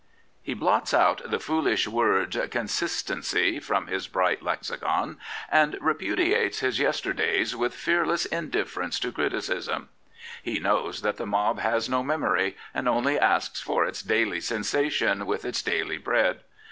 90 Lord NorthclifFe " He blots out the foolish word ' cousistency ' from his bright lexicon and repudiates his yesterdays with fearless indiflercnce to criticism. He knows that the mob has no memory and only asks for its daily sensa tion with its daily bread.